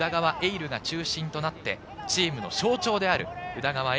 琉が中心となって、チームの象徴である宇田川瑛